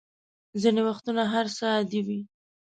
ځینې وختونه هر څه عادي وي.